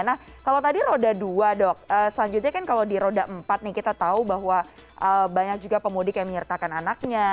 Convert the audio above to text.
nah kalau tadi roda dua dok selanjutnya kan kalau di roda empat nih kita tahu bahwa banyak juga pemudik yang menyertakan anaknya